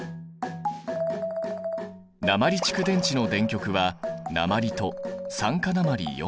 鉛蓄電池の電極は鉛と酸化鉛。